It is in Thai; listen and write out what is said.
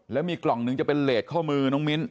แล้วมีกล่องหนึ่งจะเป็นเลสข้อมือน้องมิ้น